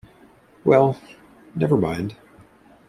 Well, never mind.